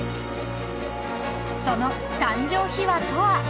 ［その誕生秘話とは］